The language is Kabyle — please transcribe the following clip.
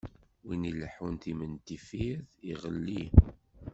Win ileḥḥun timendeffirt, iɣelli.